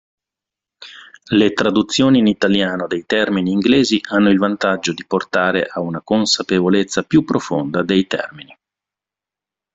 Le traduzioni in italiano dei termini inglesi hanno il vantaggio di portare a una consapevolezza più profonda dei termini.